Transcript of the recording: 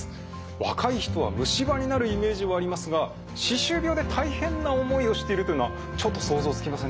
若い人は虫歯になるイメージはありますが歯周病で大変な思いをしているというのはちょっと想像つきませんでしたね。